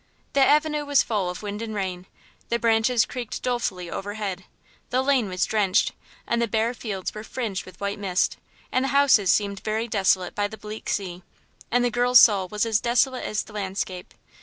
The avenue was full of wind and rain; the branches creaked dolefully overhead; the lane was drenched, and the bare fields were fringed with white mist, and the houses seemed very desolate by the bleak sea; and the girl's soul was desolate as the landscape.